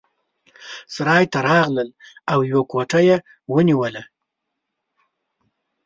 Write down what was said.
سرای ته راغلل او یوه کوټه یې ونیوله.